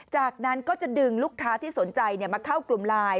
จากนั้นก็จะดึงลูกค้าที่สนใจมาเข้ากลุ่มไลน์